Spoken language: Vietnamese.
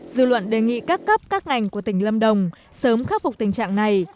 dư luận đề nghị các cấp các ngành của tỉnh lâm đồng sớm khắc phục tình trạng này